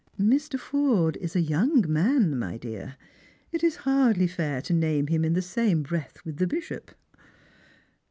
" Mr. Forde is a young man, my dear. It is hardly fair to name him in the same breath with the bishop."